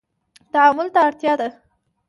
تعامل ته اړتیا ده